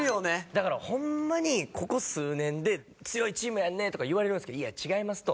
だからホンマにここ数年で強いチームやんねとか言われるんですけどいや違いますと。